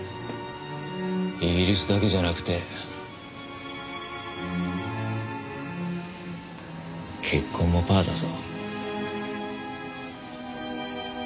イギリスだけじゃなくて結婚もパーだぞ。